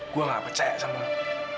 gue gak percaya sama lo